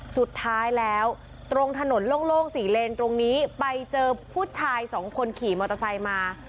สุดท้ายแล้วตรงถนนโล่งสี่เลนตรงนี้ไปเจอผู้ชายสองคนขี่มอเตอร์ไซค์มา